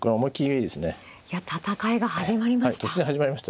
いや戦いが始まりました。